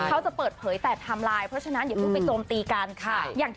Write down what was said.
เขาจะเปิดเผยแต่ไทม์ไลน์เพราะฉะนั้นอย่าเพิ่งไปโจมตีกันค่ะ